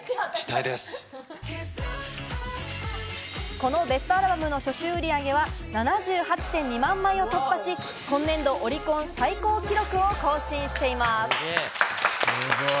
このベストアルバムの初週売り上げは７８．２万枚を突破し、今年度オリコン最高記録を更新しています。